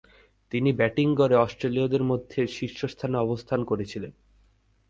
তিনি ব্যাটিং গড়ে অস্ট্রেলীয়দের মধ্যে শীর্ষস্থানে অবস্থান করেছিলেন।